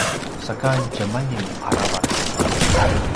saka djemalim aravac